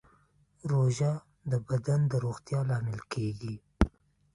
روژه د بدن د روغتیا لامل کېږي.